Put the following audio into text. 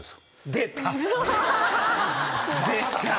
出た。